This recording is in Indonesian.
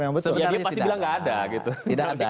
jadi pasti bilang nggak ada